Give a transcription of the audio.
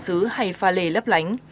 xứ hay pha lê lấp lánh